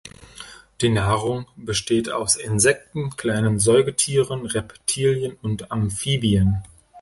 Die Nahrung besteht aus Insekten, kleinen Säugetieren, Reptilien und Amphibien.